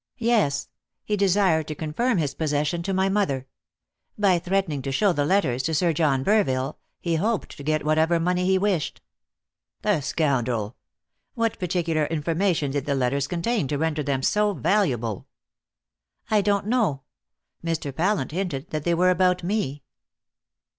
"Yes. He desired to confirm his possession of my mother. By threatening to show the letters to Sir John Burville, he hoped to get whatever money he wished." "The scoundrel! What particular information did the letters contain to render them so valuable?" "I don't know. Mr. Pallant hinted that they were about me."